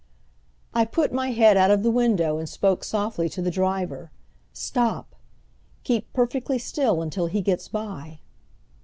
I put my head out of the window and spoke softly to the driver. "Stop! Keep perfectly still until he gets by."